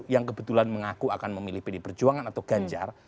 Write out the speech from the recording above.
yang kebetulan mengaku akan memilih pdi perjuangan atau ganjar